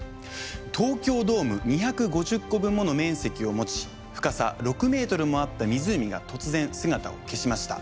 東京ドーム２５０個分もの面積を持ち深さ６ｍもあった湖が突然姿を消しました。